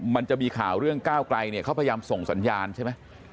มันจะมีข่าวเรื่องก้าวไกลเนี่ยเขาพยายามส่งสัญญาณใช่ไหม